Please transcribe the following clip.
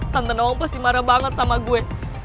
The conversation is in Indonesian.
tante om pasti marah banget sama gue